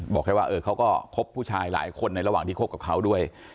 บอกแค่ว่าเขาก็คบผู้ชายหลายคนในระหว่างที่คบกับเขาด้วย